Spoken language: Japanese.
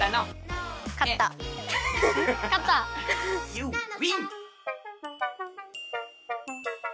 ユーウィン！